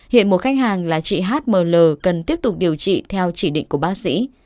hiện một khách hàng là chị h m l cần tiếp tục điều trị theo chỉ định của bác sĩ